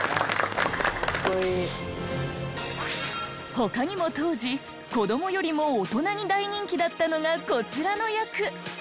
他にも当時子どもよりも大人に大人気だったのがこちらの役。